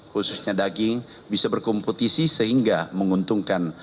khususnya daging bisa berkompetisi sehingga menguntungkan